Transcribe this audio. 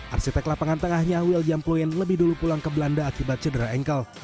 arsitek lapangan tengahnya will jamployen lebih dulu pulang ke belanda akibat cedera engkel